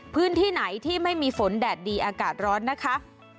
พื้นที่ไหนที่ไม่มีฝนแดดดีอากาศร้อนนะคะ